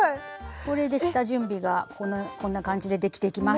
これで下準備がこんな感じでできていきます。